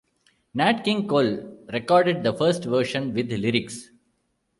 Nat King Cole recorded the first version with lyrics.